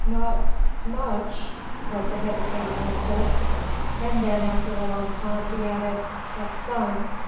"Not, much," was the hesitating answer; and then, after a long pause, he added, "but some."